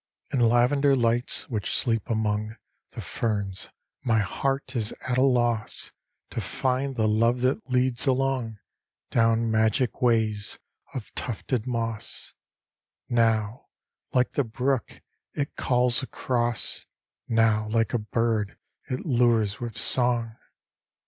In lavender lights, which sleep among The ferns, my heart is at a loss To find the love that leads along Down magic ways of tufted moss Now, like the brook, it calls across, Now, like a bird, it lures with song.